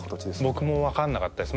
僕も分かんなかったです。